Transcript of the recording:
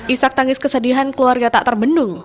isak tangis kesedihan keluarga tak terbendung